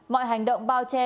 mọi hành động bao che